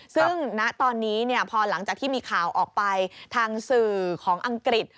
ซึ่งณตอนนี้พอหลังจากที่มีข่าวออกไปทางสื่อของอังกฤษ